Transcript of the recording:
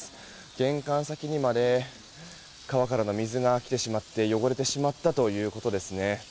玄関先にまで川からの水が来てしまって汚れてしまったということですね。